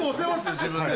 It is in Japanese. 自分で。